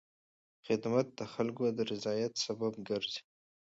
خدمت د خلکو د رضایت سبب ګرځي.